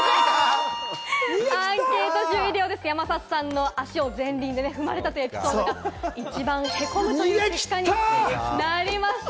山里さんの足を前輪で踏まれたというエピソード、一番へこむということになりました。